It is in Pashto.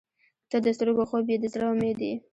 • ته د سترګو خوب یې، د زړه امید یې.